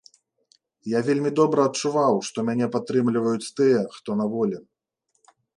Я вельмі добра адчуваў, што мяне падтрымліваюць тыя, хто на волі.